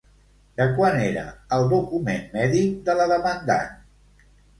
De quan era el document mèdic de la demandant?